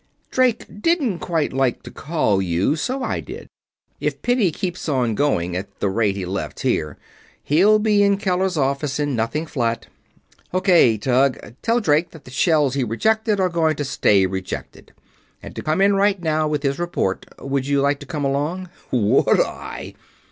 Drake didn't quite like to call you, so I did. If Piddy keeps on going at the rate he left here, he'll be in Keller's office in nothing flat." "O.K., Tug. Tell Drake that the shell he rejected are going to stay rejected, and to come in right now with his report. Would you like to come along?" "Would I!"